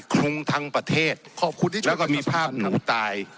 คงทั้งประเทศขอบคุณที่ฉันก็มีภาพหนูตาย